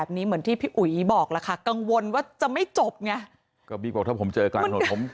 ผมขับรถชนตายเลย